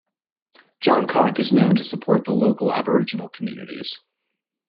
Johncock is known to support the local Aboriginal communities.